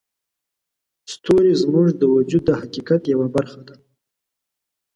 ستوري زموږ د وجود د حقیقت یوه برخه دي.